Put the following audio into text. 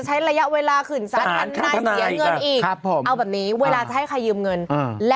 ใช่แต่ว่า